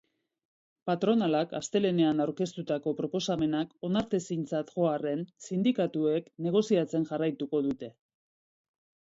Patronalak astelehenean aurkeztutako proposamenak onartezintzat jo arren, sindikatuek negoziatzen jarraituko dute.